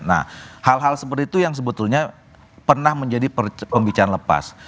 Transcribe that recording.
nah hal hal seperti itu yang sebetulnya pernah menjadi pembicaraan lepas